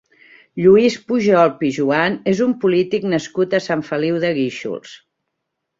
Lluís Pujol Pijuan és un polític nascut a Sant Feliu de Guíxols.